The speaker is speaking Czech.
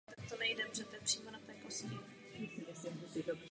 Po vzniku Železné opony a uzavření hranice byly všechny domy zbořeny.